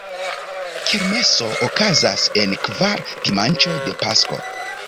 Kermeso okazas en la kvara dimanĉo de Pasko.